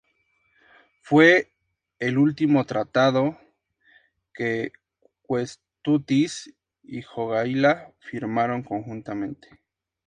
Fue el último tratado que Kęstutis y Jogaila firmaron conjuntamente.